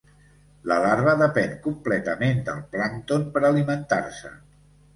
La larva depèn completament del plàncton per alimentar-se.